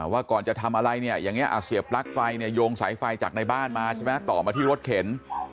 ว่าก่อนจะทำอะไรอย่างนี้อาเซียบปลั๊กไฟโยงสายไฟจากในบ้านมาต่อมาที่รถเข็น